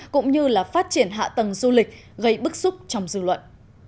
cũng như là phát triển hạ tầng du lịch gây bức xúc trong dư luận